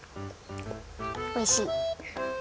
おいしい。